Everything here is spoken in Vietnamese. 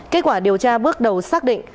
kết quả điều tra bước đầu xác định